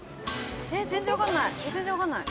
全然分かんない！